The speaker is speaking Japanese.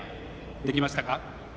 できましたか？